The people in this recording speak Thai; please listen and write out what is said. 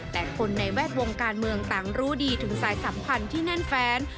แต่คนในแวดวงการเมืองต่างรู้ดีถึงสายสัมพันธ์ที่แน่นแฟน